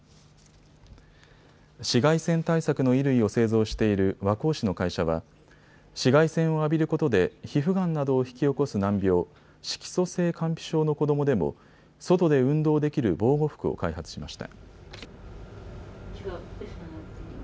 紫外線対策の衣類を製造している和光市の会社は紫外線を浴びることで皮膚がんなどを引き起こす難病、色素性乾皮症の子どもでも外で運動できる防護服を開発しました。